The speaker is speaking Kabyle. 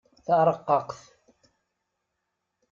Tareqqaqt.